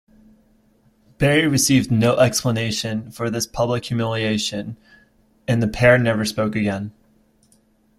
Berry received no explanation for this public humiliation and the pair never spoke again.